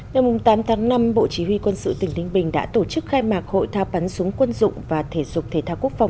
năm tám tháng năm bộ chỉ huy quân sự tỉnh đinh bình đã tổ chức khai mạc hội thao bắn súng quân dụng và thể dục thể thao quốc phòng